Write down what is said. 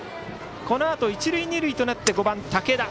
このあと一塁二塁となって５番、武田。